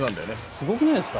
すごくないですか。